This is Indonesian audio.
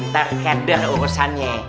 ntar keder urusannya